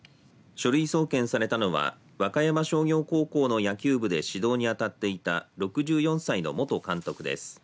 書類送検されたのは和歌山商業高校の野球部で指導にあたっていた６４歳の元監督です。